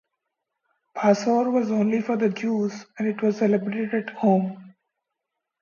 Passover was only for the Jews and it was celebrated at home.